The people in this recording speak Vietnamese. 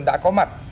đã có mặt